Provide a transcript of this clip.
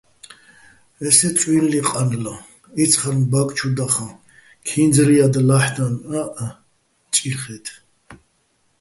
ესე წუ́ჲნლი ყანლა, იცხარნ ბა́კ ჩუ დახაჼ, ქინძ-რიანდ ლა́ჰ̦დანაჸ ჭირხე́თ.